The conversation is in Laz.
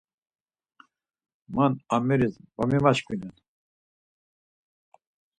Man ameris va memaşkvinen.